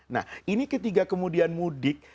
nah ini ketika kemudian mudik